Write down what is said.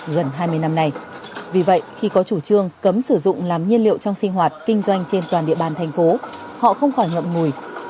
gần hai mươi năm nay vì vậy khi có chủ trương cấm sử dụng làm nhiên liệu trong sinh hoạt kinh doanh trên toàn địa bàn thành phố họ không khỏi ngậm ngùi